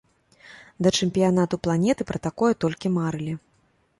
Да чэмпіянату планеты пра такое толькі марылі.